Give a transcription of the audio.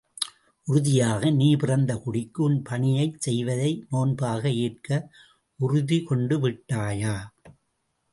உறுதியாக நீ பிறந்த குடிக்கு உன் பணியைச் செய்வதை நோன்பாக ஏற்க உறுதி கொண்டுவிட்டாயா?